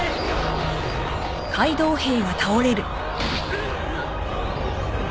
うっ。